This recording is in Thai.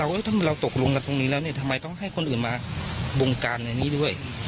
ว่าถ้าเราตกลงกันตรงนี้แล้วทำไมต้องให้คนอื่นมาบงการในนี้ด้วย